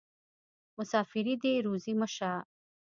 مسافري دې روزي مه شه.